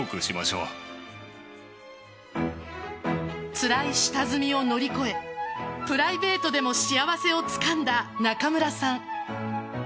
つらい下積みを乗り越えプライベートでも幸せをつかんだ中村さん。